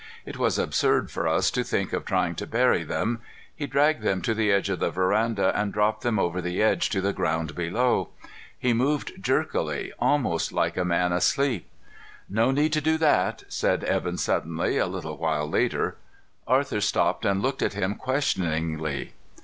It was absurd for us to think of trying to bury them. He dragged them to the edge of the veranda and dropped them over the edge to the ground below. He moved jerkily, almost like a man asleep. "No need to do that," said Evan suddenly, a little while later. Arthur stopped and looked at him questioningly.